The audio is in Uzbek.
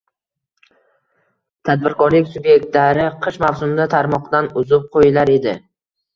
Tadbirkorlik subyektlari qish mavsumida tarmoqdan uzib qoʻyilar edi.